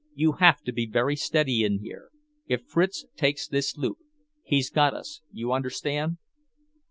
You'll have to be very steady in here; if Fritz takes this loop, he's got us, you understand."